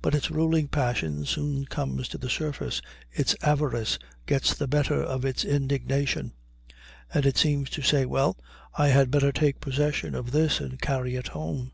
But its ruling passion soon comes to the surface, its avarice gets the better of its indignation, and it seems to say, "Well, I had better take possession of this and carry it home."